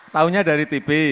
tahunya dari tv